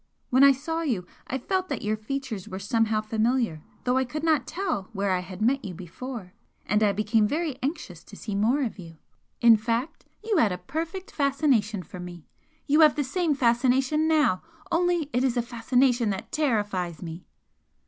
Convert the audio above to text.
When I saw you I felt that your features were somehow familiar, though I could not tell where I had met you before, and I became very anxious to see more of you. In fact, you had a perfect fascination for me! You have the same fascination now, only it is a fascination that terrifies me!"